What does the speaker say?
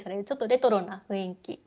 ちょっとレトロな雰囲気。